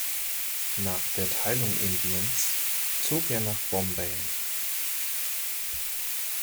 Nach der Teilung Indiens zog er nach Bombay.